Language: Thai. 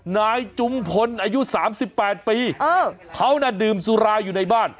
นายจุมพลอายุ๓๘ปีเขาน่ะดื่มสุราอยู่ในบ้าน